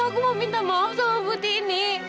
aku mau minta maaf sama ibu tini